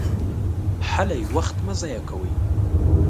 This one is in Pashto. هلئ! وخت مه ضایع کوئ!